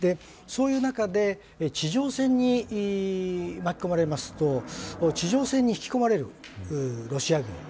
そういう中で、地上戦に巻き込まれますと地上戦に引き込まれるロシア軍